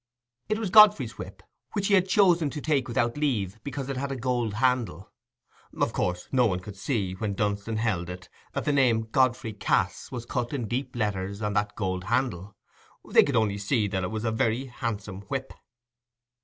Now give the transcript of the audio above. It was Godfrey's whip, which he had chosen to take without leave because it had a gold handle; of course no one could see, when Dunstan held it, that the name Godfrey Cass was cut in deep letters on that gold handle—they could only see that it was a very handsome whip.